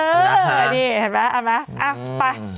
เออนี่เห็นมั้ยเอาละไป